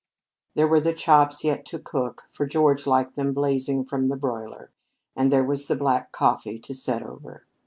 There were the chops yet to cook, for George liked them blazing from the broiler, and there was the black coffee to set over.